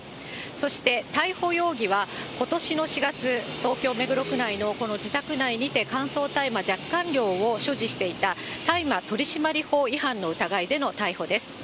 そして逮捕容疑は、ことしの４月、東京・目黒区内のこの自宅内にて乾燥大麻若干量を所持していた、大麻取締法違反の疑いでの逮捕です。